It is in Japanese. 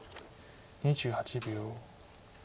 ２８秒。